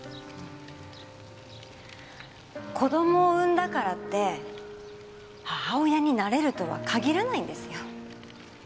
子供を産んだからって母親になれるとは限らないんですよ。